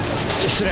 失礼。